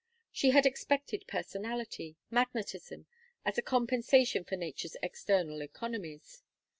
She had expected personality, magnetism, as a compensation for nature's external economies.